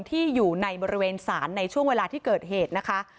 ที่อยู่ในบริเวณศาลในช่วงเวลาที่เกิดเหตุนะคะ